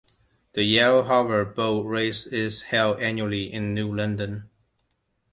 The Yale-Harvard Boat Race is held annually in New London.